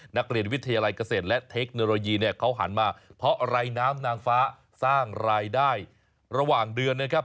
นักเรียนวิทยาลัยเกษตรและเทคโนโลยีเนี่ยเขาหันมาเพราะรายน้ำนางฟ้าสร้างรายได้ระหว่างเดือนนะครับ